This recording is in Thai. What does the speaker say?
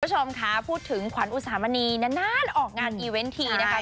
คุณผู้ชมค่ะพูดถึงขวัญอุสามณีนานออกงานอีเวนต์ทีนะคะ